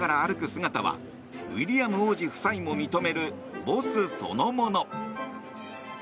姿はウィリアム王子夫妻も認めるボスそのもの。